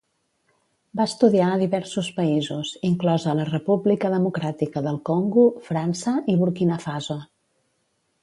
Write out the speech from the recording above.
Va estudiar a diversos països, inclosa la República Democràtica del Congo, França, i Burkina Faso.